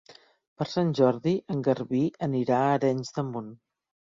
Per Sant Jordi en Garbí anirà a Arenys de Munt.